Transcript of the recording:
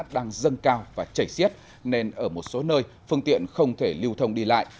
đang dâng cao và chảy xiết nên ở một số nơi phương tiện không thể lưu thông đi lại